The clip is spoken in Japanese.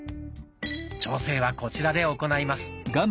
調整はこちらで行います。